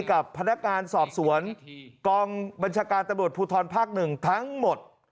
กับพนักงานสอบสวนกองบัญชาการตำรวจภูทรภาค๑ทั้งหมด